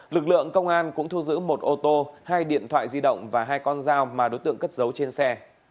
lực lượng công an cũng thu giữ một ô tô hai điện thoại di động và hai con dao mà đối tượng cất dấu trên xe